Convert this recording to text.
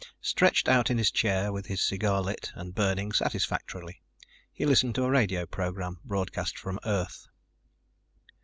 Stretched out in his chair, with his cigar lit and burning satisfactorily, he listened to a radio program broadcast from Earth.